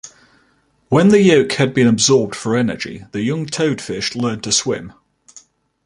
When the yolk has been absorbed for energy, the young toadfish learn to swim.